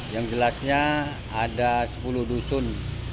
yang jelasnya ada sepuluh dusun